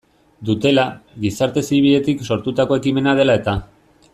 Dutela, gizarte zibiletik sortutako ekimena dela eta.